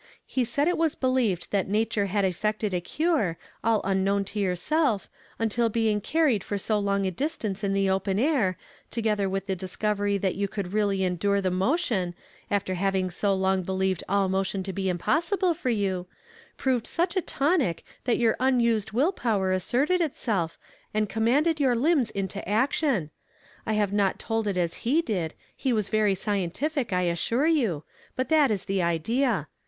He said it was believed that nature had effected a cure, all unknown to yourself, until being carried for so long a distance in the o[)en air, together with the discovery that you could really endure the mo tion, after having so long believed all motion to be impossible for you, proved such a tonic that your unused will power asserted itself, and com manded your lind)s into action. I liave not told it as he did ; he was very scientific, I assure you, but that is the idea.